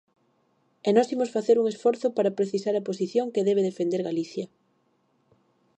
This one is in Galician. E nós imos facer un esforzo para precisar a posición que debe defender Galicia.